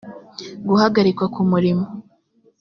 guhagarikwa ku murimo